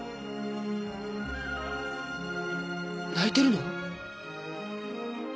泣いてるの？